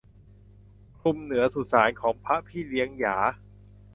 คลุมเหนือสุสานของพระพี่เลี้ยงหยา